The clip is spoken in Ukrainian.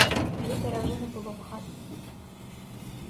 Лікаря вже не було в хаті.